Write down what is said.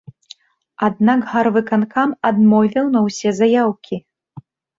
Аднак гарвыканкам адмовіў на ўсе заяўкі.